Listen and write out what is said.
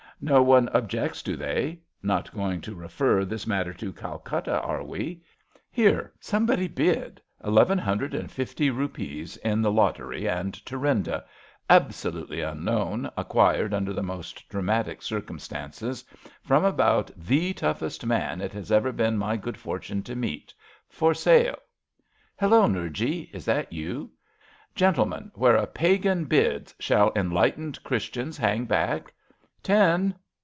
No one objects, do they? Not going to refer this matter to Calcutta, are we? Here, somebody, bid ! Eleven hundred and fifty rupees in the lottery, and Thurinda — ^absolutely unknown, acquired un der the most dramatic circumstances from about 134 ABAFT THE FUNNEL the toughest man it has ever been my good for tune to meet — for sale. Hullo, Nurji, is that you? Gentlemen, where a Pagan bids shall enlightened Christians hang back! Ten!